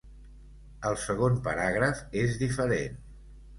El segon paràgraf és diferent.